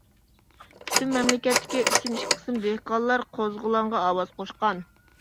پۈتۈن مەملىكەتتىكى ئۈچتىن ئىككى قىسىم دېھقانلار قوزغىلاڭغا ئاۋاز قوشقان.